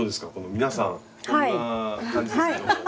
皆さんこんな感じですけども。